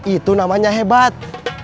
itu namanya hebat